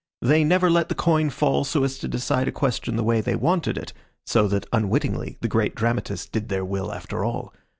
They never let the coin fall so as to decide a question the way they wanted it, so that unwittingly the great dramatist did their will after all.